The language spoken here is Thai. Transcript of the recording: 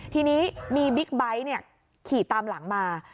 ทีนี้มีบิ๊กไบท์ขี่ตามหลังมา